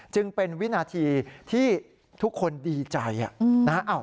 จึงเป็นวินาทีที่ทุกคนดีใจนะฮะ